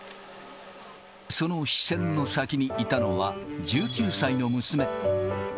その視線の先にいたのは、１９歳の娘。